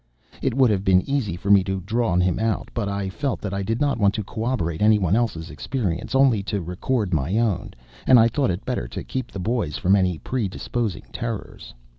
It would have been easy for me to have drawn him out, but I felt that I did not want to corroborate anybody else's experience; only to record my own. And I thought it better to keep the boys from any predisposing terrors.